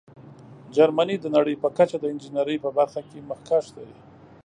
جرمني د نړۍ په کچه د انجینیرۍ په برخه کې مخکښ دی.